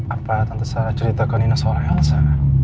apa tante sarah ceritakan nino soal elsa